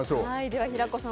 平子さん